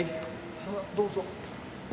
さあどうぞ。